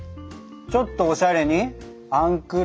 ちょっとおしゃれにアンクル？